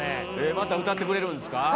また歌ってくれるんですか？